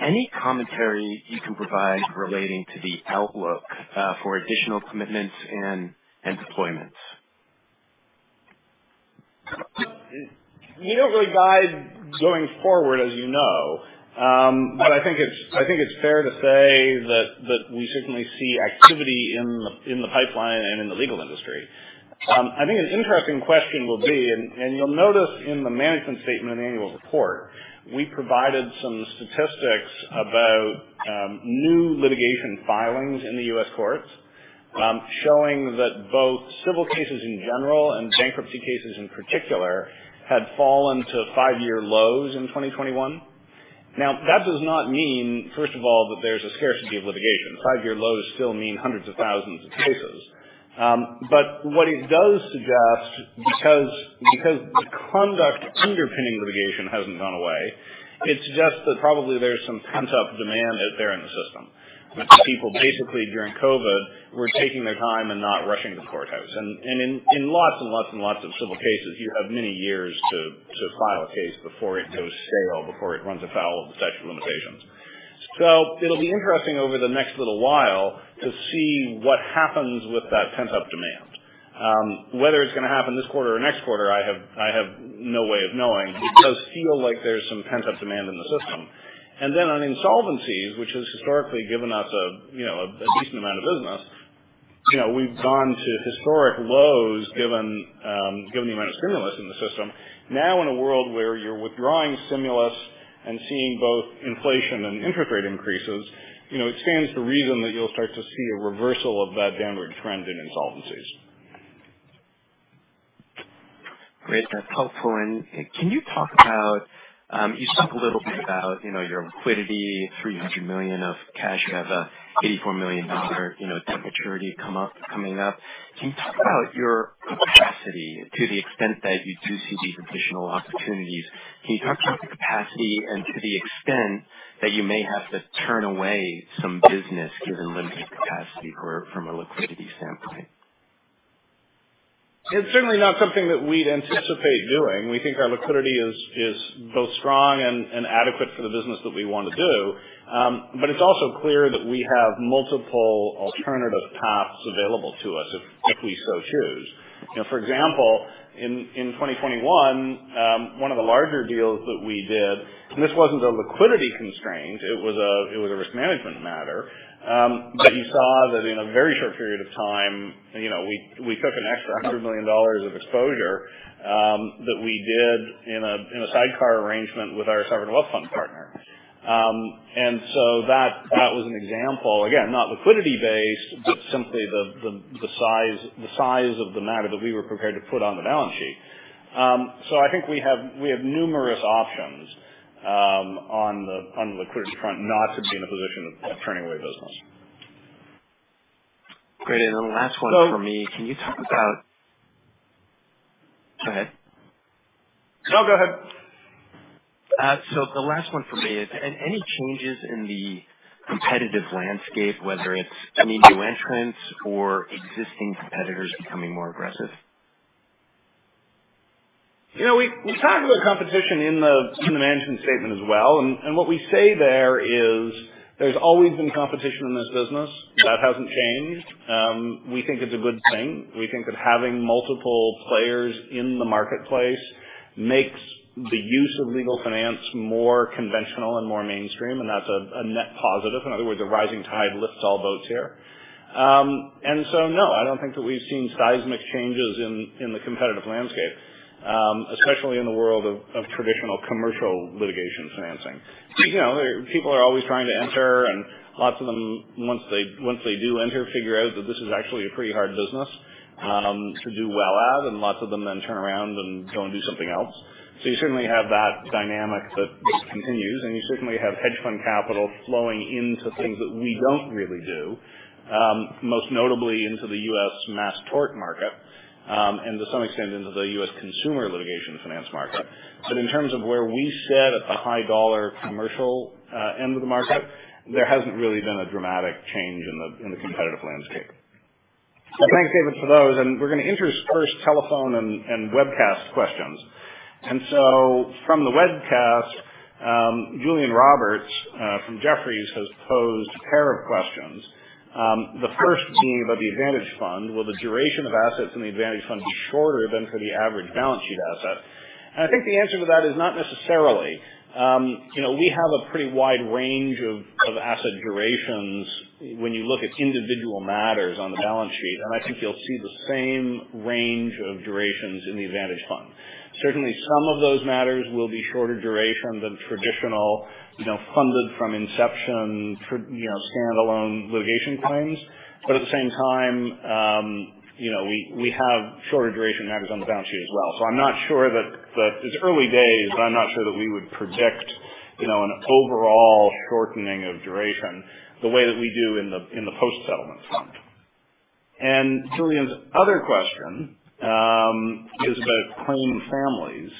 Any commentary you can provide relating to the outlook for additional commitments and deployments? We don't really guide going forward, as you know. I think it's fair to say that we certainly see activity in the pipeline and in the legal industry. I think an interesting question will be. You'll notice in the management statement and annual report, we provided some statistics about new litigation filings in the U.S. courts, showing that both civil cases in general and bankruptcy cases in particular had fallen to five-year lows in 2021. Now, that does not mean, first of all, that there's a scarcity of litigation. Five-year lows still mean hundreds of thousands of cases. What it does suggest, because the conduct underpinning litigation hasn't gone away, it suggests that probably there's some pent-up demand out there in the system. With people basically during COVID were taking their time and not rushing to courthouse. In lots of civil cases, you have many years to file a case before it goes stale, before it runs afoul of the statute of limitations. It'll be interesting over the next little while to see what happens with that pent-up demand. Whether it's gonna happen this quarter or next quarter, I have no way of knowing. It does feel like there's some pent-up demand in the system. Then on insolvencies, which has historically given us, you know, a decent amount of business, you know, we've gone to historic lows given the amount of stimulus in the system. Now in a world where you're withdrawing stimulus and seeing both inflation and interest rate increases, you know, it stands to reason that you'll start to see a reversal of that downward trend in insolvencies. Great. That's helpful. Can you talk about. You spoke a little bit about, you know, your liquidity, $300 million of cash. You have an $84 million, you know, debt maturity coming up. Can you talk about your capacity to the extent that you do see these additional opportunities? Can you talk about the capacity and to the extent that you may have to turn away some business given limited capacity from a liquidity standpoint? It's generally not something that we'd anticipate doing. We think our liquidity is both strong and adequate for the business that we want to do. It's also clear that we have multiple alternative paths available to us if we so choose. You know, for example, in 2021, one of the larger deals that we did, and this wasn't a liquidity constraint, it was a risk management matter. You saw that in a very short period of time, you know, we took an extra $100 million of exposure that we did in a sidecar arrangement with our sovereign wealth fund partner. That was an example. Again, not liquidity based, but simply the size of the matter that we were prepared to put on the balance sheet. I think we have numerous options on the liquidity front not to be in a position of turning away business. Great. The last one for me. So. Can you talk about? Go ahead. No, go ahead. The last one for me. Any changes in the competitive landscape, whether it's any new entrants or existing competitors becoming more aggressive? You know, we talked about competition in the management statement as well. What we say there is there's always been competition in this business. That hasn't changed. We think it's a good thing. We think that having multiple players in the marketplace makes the use of legal finance more conventional and more mainstream, and that's a net positive. In other words, the rising tide lifts all boats here. No, I don't think that we've seen seismic changes in the competitive landscape, especially in the world of traditional commercial litigation financing. You know, people are always trying to enter, and lots of them, once they do enter, figure out that this is actually a pretty hard business to do well at, and lots of them then turn around and go and do something else. You certainly have that dynamic that continues, and you certainly have hedge fund capital flowing into things that we don't really do, most notably into the U.S. mass tort market, and to some extent into the U.S. consumer litigation finance market. In terms of where we sit at the high dollar commercial end of the market, there hasn't really been a dramatic change in the competitive landscape. Thanks, David, for those. We're gonna enter his first telephone and webcast questions. From the webcast, Julian Roberts from Jefferies has posed a pair of questions. The first being about the Advantage Fund. Will the duration of assets in the Advantage Fund be shorter than for the average balance sheet asset? I think the answer to that is not necessarily. You know, we have a pretty wide range of asset durations when you look at individual matters on the balance sheet, and I think you'll see the same range of durations in the Advantage Fund. Certainly, some of those matters will be shorter duration than traditional, you know, funded from inception for, you know, standalone litigation claims. But at the same time, you know, we have shorter duration matters on the balance sheet as well. I'm not sure. It's early days, but I'm not sure that we would project, you know, an overall shortening of duration the way that we do in the post-settlement fund. Julian's other question is about claim families.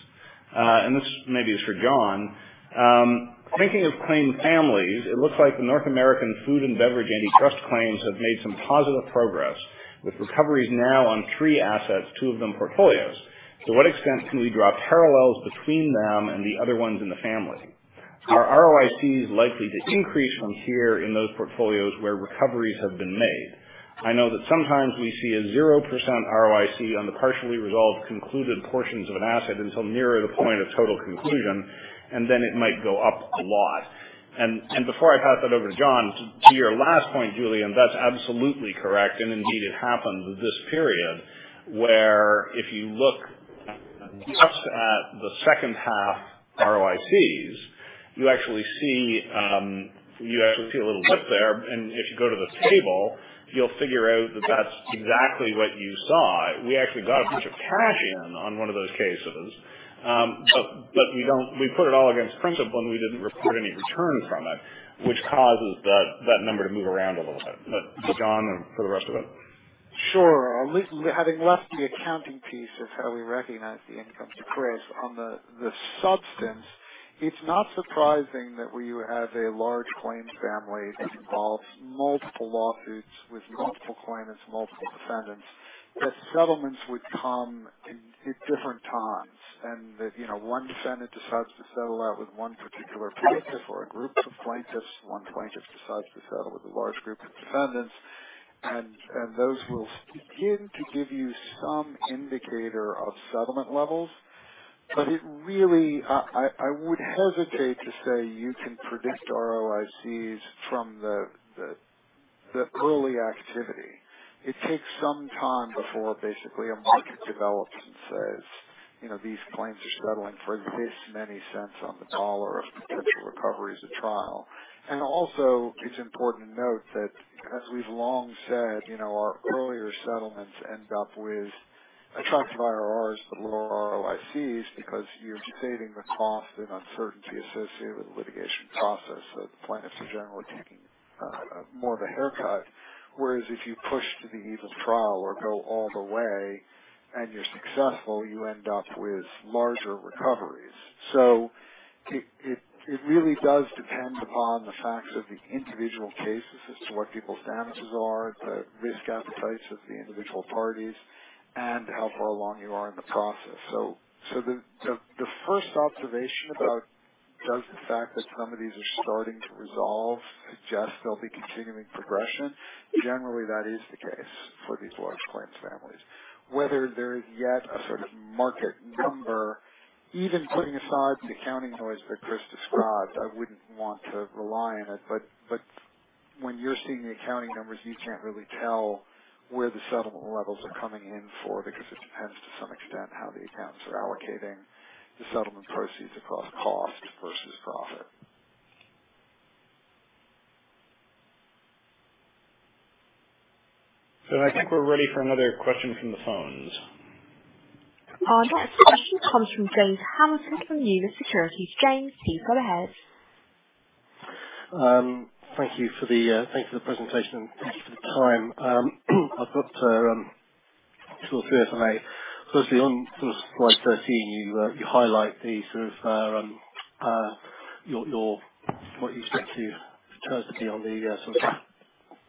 This maybe is for Jon. Thinking of claim families, it looks like the North American food and beverage antitrust claims have made some positive progress, with recoveries now on three assets, two of them portfolios. To what extent can we draw parallels between them and the other ones in the family? Are ROICs likely to increase from here in those portfolios where recoveries have been made? I know that sometimes we see a 0% ROIC on the partially resolved concluded portions of an asset until near the point of total conclusion, and then it might go up a lot. Before I pass that over to Jon, to your last point, Julian, that's absolutely correct. Indeed, it happened this period where if you look just at the second half ROICs, you actually see a little dip there. If you go to the table, you'll figure out that that's exactly what you saw. We actually got a bunch of cash in on one of those cases. We put it all against principal, and we didn't report any return from it, which causes that number to move around a little bit. Jon for the rest of it. Sure. At least having left the accounting piece of how we recognize the income to Chris on the substance, it's not surprising that we have a large claim family that involves multiple lawsuits with multiple claimants, multiple defendants, that settlements would come in different times. That, you know, one defendant decides to settle out with one particular plaintiff or a group of plaintiffs. One plaintiff decides to settle with a large group of defendants. Those will begin to give you some indicator of settlement levels. It really, I would hesitate to say you can predict ROICs from the early activity. It takes some time before basically a market develops and says, you know, these claims are settling for this many cents on the dollar of potential recoveries at trial. It's important to note that, as we've long said, you know, our earlier settlements end up with attractive IRRs but lower ROICs because you're saving the cost and uncertainty associated with the litigation process. The plaintiffs are generally taking more of a haircut. Whereas if you push to the eve of trial or go all the way and you're successful, you end up with larger recoveries. It really does depend upon the facts of the individual cases as to what people's damages are, the risk appetites of the individual parties, and how far along you are in the process. The first observation about does the fact that some of these are starting to resolve suggest there'll be continuing progression. Generally, that is the case for these large claims families. Whether there is yet a sort of market number, even putting aside the accounting noise that Chris described, I wouldn't want to rely on it. When you're seeing the accounting numbers, you can't really tell where the settlement levels are coming in for because it depends to some extent how the accounts are allocating the settlement proceeds across cost versus profit. I think we're ready for another question from the phones. Our next question comes from James Hamilton from Numis Securities. James, please go ahead. Thank you for the presentation. Thank you for the time. I've got sort of three if I may. Firstly, on sort of slide thirteen, you highlight the sort of your what you expect to return to be on the sort of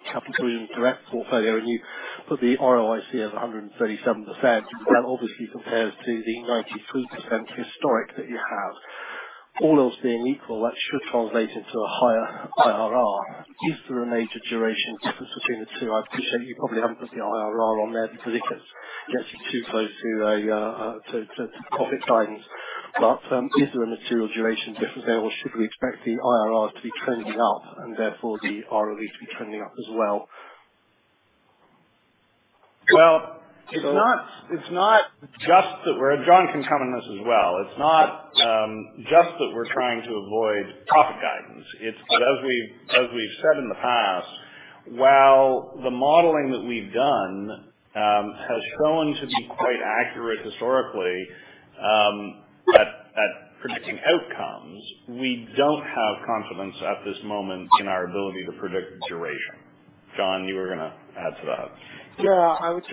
capital provision direct portfolio, and you put the ROIC of 137%. That obviously compares to the 93% historic that you have. All else being equal, that should translate into a higher IRR. Is there a major duration difference between the two? I appreciate you probably haven't put the IRR on there because it gets you too close to profit guidance. Is there a material duration difference there, or should we expect the IRRs to be trending up and therefore the ROE to be trending up as well? Well, it's not just that, Jon can comment on this as well. It's not just that we're trying to avoid profit guidance. It's that as we've said in the past. While the modeling that we've done has shown to be quite accurate historically at predicting outcomes, we don't have confidence at this moment in our ability to predict duration. Jon, you were gonna add to that. Yeah, I would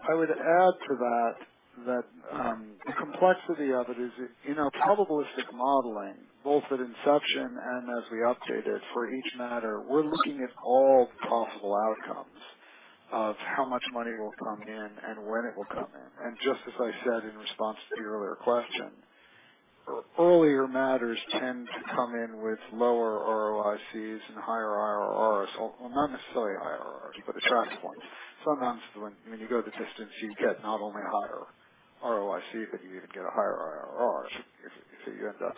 add to that the complexity of it is, you know, probabilistic modeling, both at inception and as we update it for each matter. We're looking at all possible outcomes of how much money will come in and when it will come in. Just as I said in response to your earlier question, earlier matters tend to come in with lower ROICs and higher IRRs. Well, not necessarily higher IRRs, but the attractive ones. Sometimes when you go the distance, you get not only a higher ROIC, but you even get a higher IRR if you end up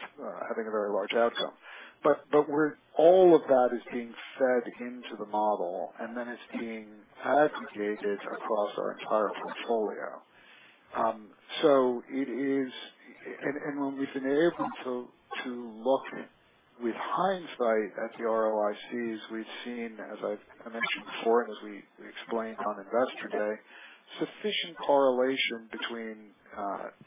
having a very large outcome. All of that is being fed into the model, and then it's being aggregated across our entire portfolio. So it is. When we've been able to look with hindsight at the ROICs, we've seen, as I've mentioned before, and as we explained on Investor Day, sufficient correlation between,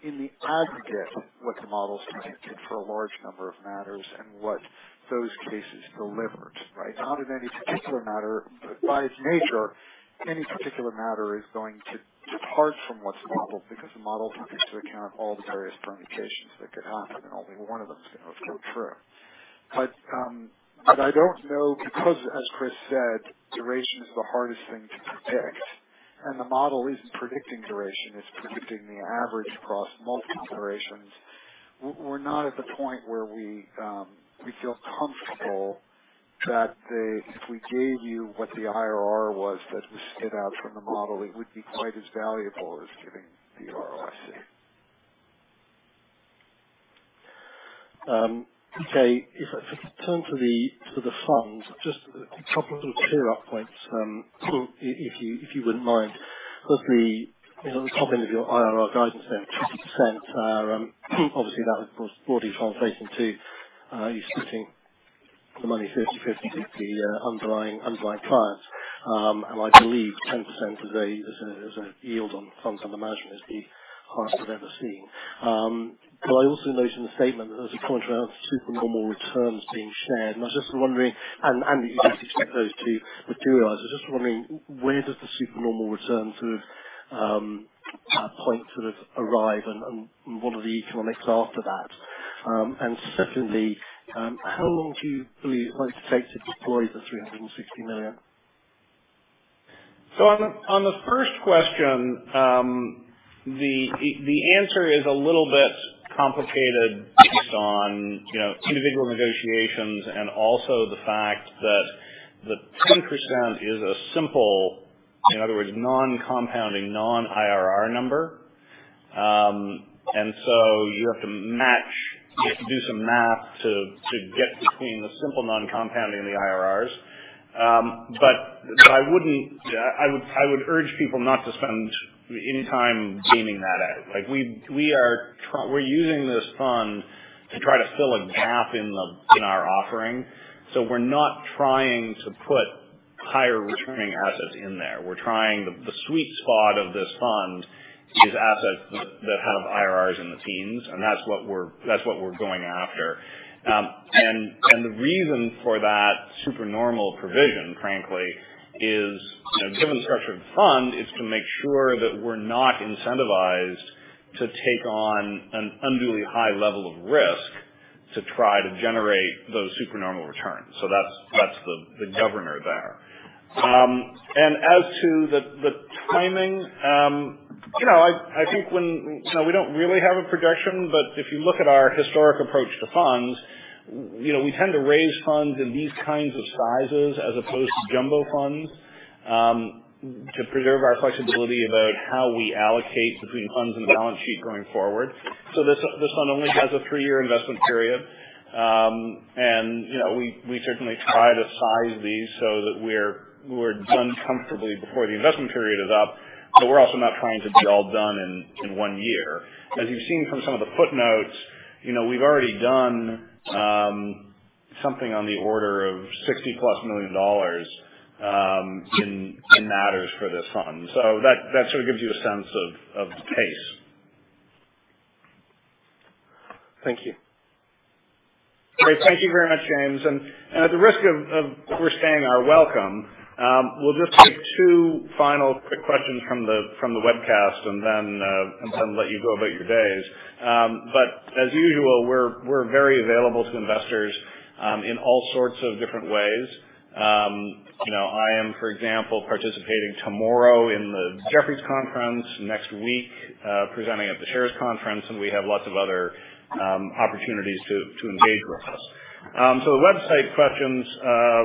in the aggregate, what the model is predicting for a large number of matters and what those cases delivered, right? Not in any particular matter, but by its nature, any particular matter is going to depart from what's modeled because the model takes into account all the various permutations that could happen, and only one of them is gonna come true. But I don't know because, as Chris said, duration is the hardest thing to predict, and the model isn't predicting duration, it's predicting the average across multiple durations. We're not at the point where we feel comfortable that if we gave you what the IRR was that was spit out from the model, it would be quite as valuable as giving the ROIC. Okay. If I could turn to the fund, just a couple of clear up points, if you wouldn't mind. Firstly, you know, the comment of your IRR guidance there, 20%, obviously that was broadly translation too. You're splitting the money 50/50 with the underlying clients. And I believe 10% is a yield on funds under management is the highest we've ever seen. But I also noted the statement that there's a point around supernormal returns being shared. I was just wondering, and you just expect those to materialize. I was just wondering, where does the supernormal return sort of point sort of arrive and what are the economics after that? Secondly, how long do you believe it might take to deploy the $360 million? On the first question, the answer is a little bit complicated based on, you know, individual negotiations and also the fact that the 10% is a simple, in other words, non-compounding, non-IRR number. You have to do some math to get between the simple non-compounding and the IRRs. I would urge people not to spend any time gaming that out. Like, we're using this fund to try to fill a gap in our offering. We're not trying to put higher returning assets in there. We're trying. The sweet spot of this fund is assets that have IRRs in the teens, and that's what we're going after. The reason for that supernormal provision, frankly, is, you know, given the structure of the fund, it's to make sure that we're not incentivized to take on an unduly high level of risk to try to generate those supernormal returns. That's the governor there. As to the timing, you know, I think you know, we don't really have a projection, but if you look at our historic approach to funds, we, you know, we tend to raise funds in these kinds of sizes as opposed to jumbo funds, to preserve our flexibility about how we allocate between funds and the balance sheet going forward. This one only has a three-year investment period. You know, we certainly try to size these so that we're done comfortably before the investment period is up, but we're also not trying to be all done in one year. As you've seen from some of the footnotes, you know, we've already done something on the order of $60+ million in matters for this fund. That sort of gives you a sense of the pace. Thank you. Great. Thank you very much, James. And at the risk of overstaying our welcome, we'll just take two final quick questions from the webcast and then let you go about your days. As usual, we're very available to investors in all sorts of different ways. You know, I am, for example, participating tomorrow in the Jefferies Conference, next week, presenting at the Shares Conference, and we have lots of other opportunities to engage with us. The website questions,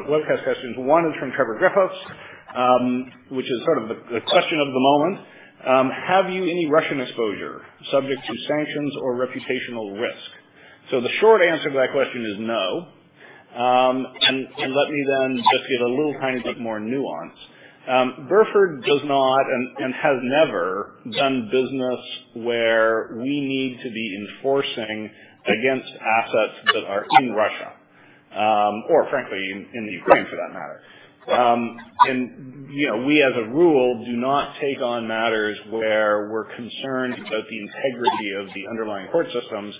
webcast questions. One is from Trevor Griffiths, which is sort of the question of the moment. Have you any Russian exposure subject to sanctions or reputational risk? The short answer to that question is no. Let me then just give a little tiny bit more nuance. Burford does not and has never done business where we need to be enforcing against assets that are in Russia, or frankly, in the Ukraine for that matter. You know, we as a rule do not take on matters where we're concerned about the integrity of the underlying court systems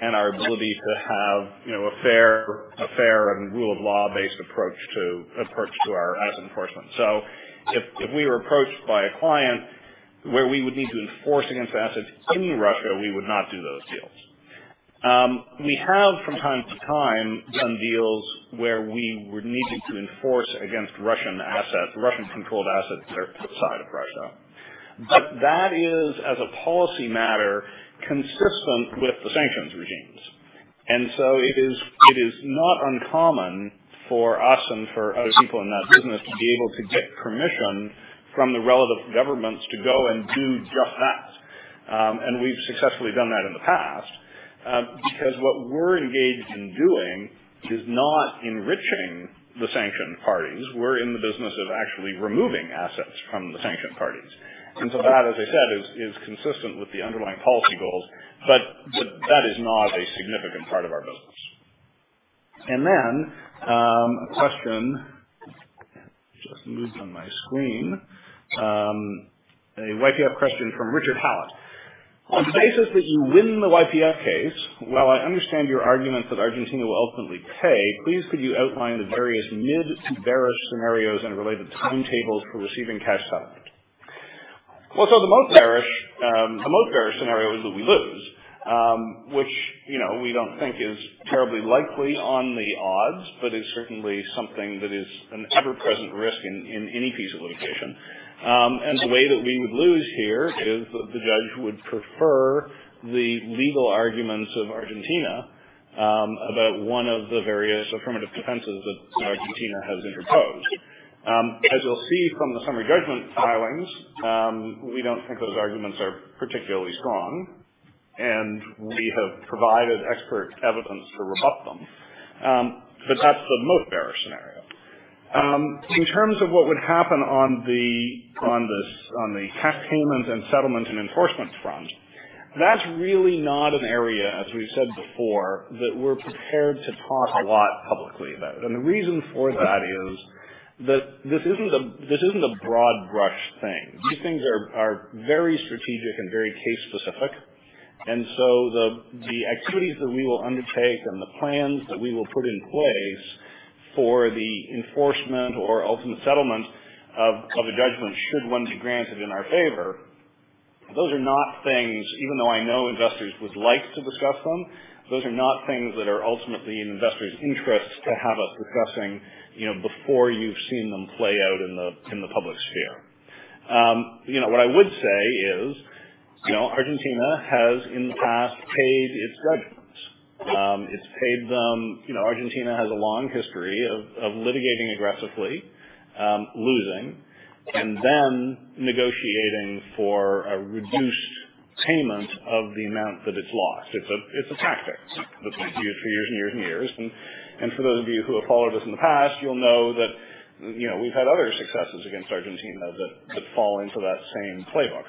and our ability to have, you know, a fair and rule of law-based approach to our asset enforcement. If we were approached by a client where we would need to enforce against assets in Russia, we would not do those deals. We have from time to time done deals where we were needing to enforce against Russian assets, Russian-controlled assets that are outside of Russia. That is, as a policy matter, consistent with the sanctions regimes. It is not uncommon for us and for other people in that business to be able to get permission from the relevant governments to go and do just that. We've successfully done that in the past, because what we're engaged in doing is not enriching the sanctioned parties. We're in the business of actually removing assets from the sanctioned parties. That, as I said, is consistent with the underlying policy goals, but that is not a significant part of our business. Then, a question just moved on my screen. A YPF question from Richard Hallett. On the basis that you win the YPF case, while I understand your argument that Argentina will ultimately pay, please could you outline the various mid to bearish scenarios and related timetables for receiving cash settlement? The most bearish scenario is that we lose, which, you know, we don't think is terribly likely on the odds, but is certainly something that is an ever-present risk in any piece of litigation. The way that we would lose here is the judge would prefer the legal arguments of Argentina about one of the various affirmative defenses that Argentina has interposed. As you'll see from the summary judgment filings, we don't think those arguments are particularly strong, and we have provided expert evidence to rebut them. That's the most bearish scenario. In terms of what would happen on the tax payment and settlement and enforcement front, that's really not an area, as we've said before, that we're prepared to talk a lot publicly about. The reason for that is that this isn't a broad brush thing. These things are very strategic and very case specific. The activities that we will undertake and the plans that we will put in place for the enforcement or ultimate settlement of a judgment should one be granted in our favor, those are not things, even though I know investors would like to discuss them, those are not things that are ultimately in investors' interests to have us discussing, you know, before you've seen them play out in the public sphere. You know, what I would say is, you know, Argentina has in the past paid its judgments. It's paid them. You know, Argentina has a long history of litigating aggressively, losing and then negotiating for a reduced payment of the amount that it's lost. It's a tactic that's been used for years and years. For those of you who have followed us in the past, you'll know that, you know, we've had other successes against Argentina that fall into that same playbook.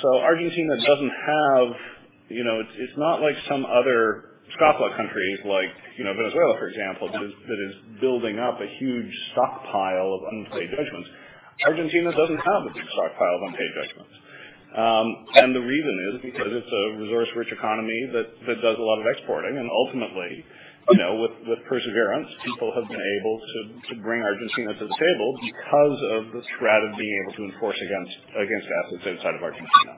So Argentina doesn't have, you know, it's not like some other scofflaw countries like, you know, Venezuela, for example, that is building up a huge stockpile of unpaid judgments. Argentina doesn't have a big stockpile of unpaid judgments. The reason is because it's a resource-rich economy that does a lot of exporting. Ultimately, you know, with perseverance, people have been able to bring Argentina to the table because of the threat of being able to enforce against assets outside of Argentina.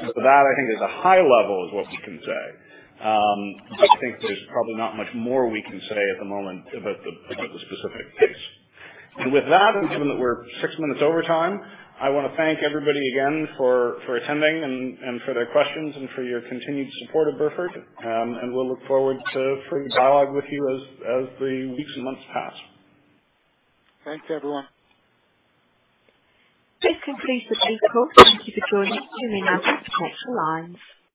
So that I think is a high level of what we can say. I think there's probably not much more we can say at the moment about the specific case. With that, and given that we're six minutes over time, I wanna thank everybody again for attending and for their questions and for your continued support of Burford. We'll look forward to further dialogue with you as the weeks and months pass. Thanks, everyone. This concludes the call. Thank you for joining us. You may now disconnect your lines.